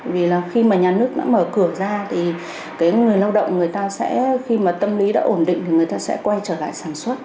vì khi nhà nước mở cửa ra thì người lao động khi tâm lý đã ổn định thì người ta sẽ quay trở lại sản xuất